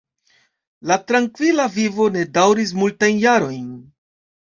La trankvila vivo ne daŭris multajn jarojn.